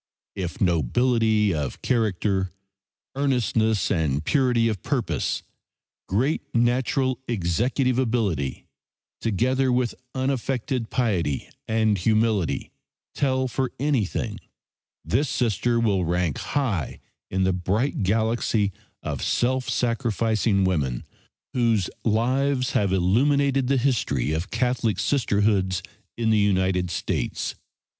If nobility of character, earnestness and purity of purpose, great natural executive ability, together with unaffected piety and humility tell for anything, this Sister will rank high in the bright galaxy of self sacrificing women whose lives have illumined the history of Catholic Sistershoods in the United States.